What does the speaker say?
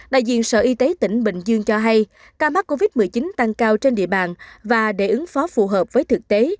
đại diện sở y tế tỉnh bình dương cho hay ca mắc covid một mươi chín tăng cao trên địa bàn và để ứng phó phù hợp với thực tế